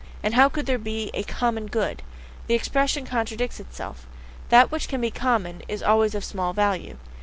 And how could there be a "common good"! The expression contradicts itself; that which can be common is always of small value.